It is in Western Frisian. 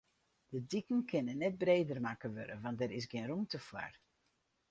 De diken kinne net breder makke wurde, want dêr is gjin rûmte foar.